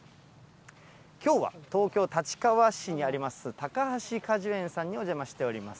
きょうは東京・立川市にあります高橋果樹園さんにお邪魔しております。